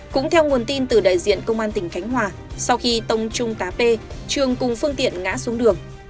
cũng theo nguồn tin từ đại diện công an tỉnh khánh hòa sau khi tông trung tá p trường cùng phương tiện ngã xuống đường